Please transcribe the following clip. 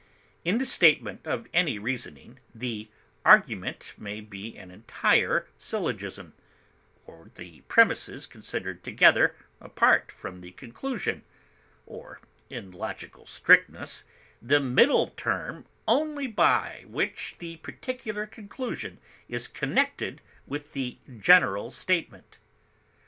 In the statement of any reasoning, the argument may be an entire syllogism, or the premises considered together apart from the conclusion, or in logical strictness the middle term only by which the particular conclusion is connected with the general statement.